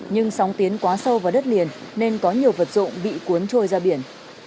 nhưng sóng tiến quá sâu vào đất liền nên có nhiều vật dụng bị cuốn trôi ra biển